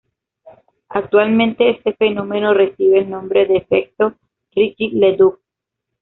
Actualmente este fenómeno recibe el nombre de efecto Righi-Leduc.